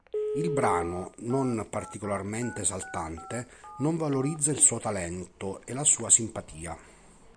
Il brano, non particolarmente esaltante, non valorizza il suo talento e la sua simpatia.